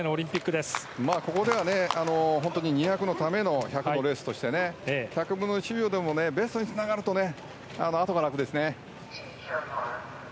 ここでは２００のための１００のレースとして１００分の１秒でもベストにつながるとあとが楽ですね。